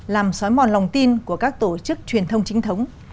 làm xói mòn lòng tin của các tổ chức truyền thông chính thống